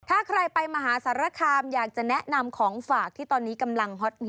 ถ้าใครไปมหาสารคามอยากจะแนะนำของฝากที่ตอนนี้กำลังฮอตฮิต